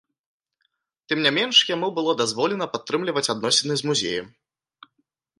Тым не менш, яму было дазволена падтрымліваць адносіны з музеем.